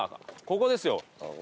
ここですよ。